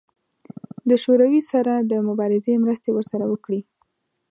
د شوروي سره د مبارزې مرستې ورسره وکړي.